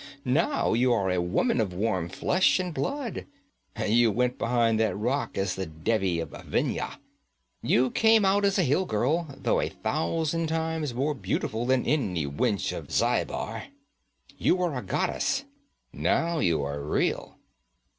Now you are a woman of warm flesh and blood! You went behind that rock as the Devi of Vendhya; you come out as a hill girl though a thousand times more beautiful than any wench of the Zhaibar! You were a goddess now you are real!'